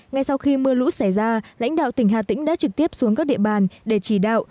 ngay sau khi mưa lũ xảy ra lãnh đạo tỉnh hà tĩnh đã trực tiếp xuống các địa bàn để chỉ đạo